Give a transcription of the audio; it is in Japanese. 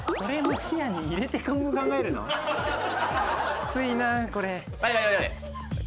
きついなぁこれ。